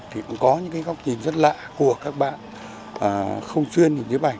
thì cũng có những cái góc nhìn rất lạ của các bạn không chuyên nhìn nhiếp ảnh